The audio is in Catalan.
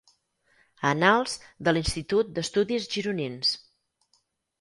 Annals de l'Institut d'Estudis Gironins.